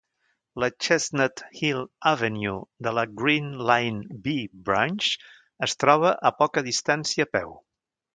La Chestnut Hill Avenue de la Green Line "B" Branch es troba a poca distància a peu.